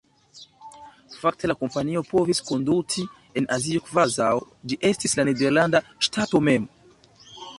Fakte la kompanio povis konduti en Azio kvazaŭ ĝi estis la nederlanda ŝtato mem.